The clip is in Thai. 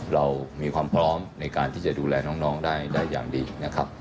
เรามีความพร้อมในการที่จะดูแลน้องได้อย่างดีนะครับ